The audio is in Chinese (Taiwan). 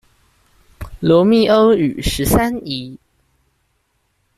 羅密歐與十三姨